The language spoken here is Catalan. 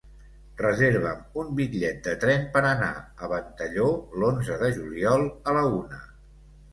Reserva'm un bitllet de tren per anar a Ventalló l'onze de juliol a la una.